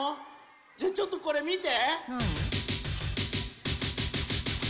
じゃあちょっとこれみて。